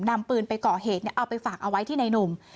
นำปืนไปก่อเหตุเอาไปฝากเอาไว้ที่ในหนุ่ม